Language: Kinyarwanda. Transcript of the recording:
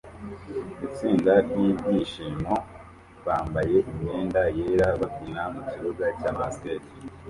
Itsinda ryibyishimo bambaye imyenda yera babyina mukibuga cya basket